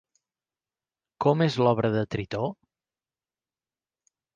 Com és l'obra de Tritó?